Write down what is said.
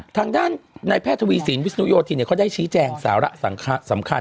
ทางด้านในแพทย์ทวีสินวิศนุโยธินเขาได้ชี้แจงสาระสำคัญ